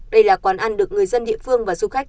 đây là quán ăn được người dân địa phương và du khách